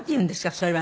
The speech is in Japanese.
それは。